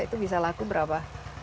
itu bisa laku berapa